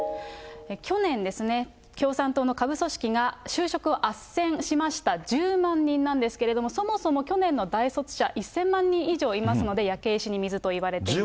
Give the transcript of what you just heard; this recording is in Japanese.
去年ですね、共産党の下部組織が就職をあっせんしました１０万人なんですけれども、そもそも去年の大卒者、１０００万人以上いますので、焼け石に水と言われています。